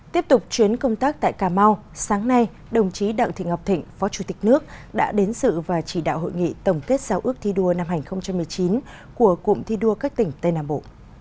tiếp tục chuyến công tác tại cà mau sáng nay đồng chí đặng thị ngọc thịnh phó chủ tịch nước đã đến sự và chỉ đạo hội nghị tổng kết sáu ước thi đua năm hai nghìn một mươi chín của cụm thi đua các tỉnh tây nam bộ